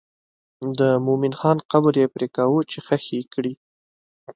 د مومن خان قبر یې پرېکاوه چې ښخ یې کړي.